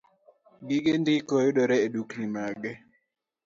Gige ndiko yudore edukni mage